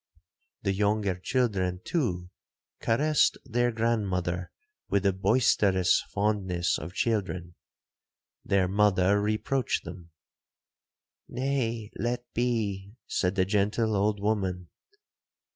'The younger children, too, caressed their grandmother with the boisterous fondness of children. Their mother reproached them.—'Nay, let be,' said the gentle old woman.